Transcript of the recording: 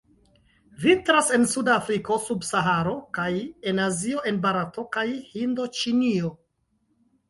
Vintras en suda Afriko sub Saharo, kaj en Azio en Barato kaj Hindoĉinio.